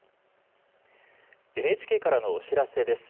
ＮＨＫからのお知らせです。